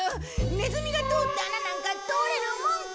ネズミが通った穴なんか通れるもんか！